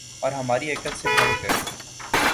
اور ہماری عقل سے بڑھ کر